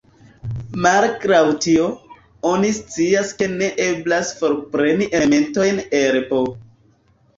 Malgraŭ tio, oni scias ke ne eblas forpreni elementojn el "B".